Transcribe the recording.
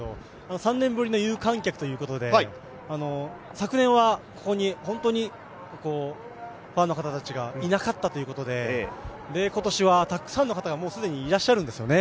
３年ぶりの有観客ということで、去年はここには人がいなかったということで今年はたくさんの方が既にいらっしゃるんですよね。